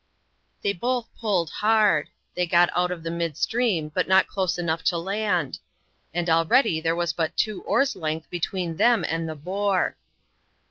They both pulled hard they got out of the mid stream, but not close enough to land; and already there was but two oars' length between them and the "boar."